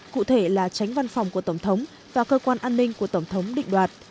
cụ thể là tránh văn phòng của tổng thống và cơ quan an ninh của tổng thống định đoạt